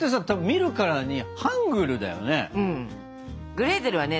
グレーテルはね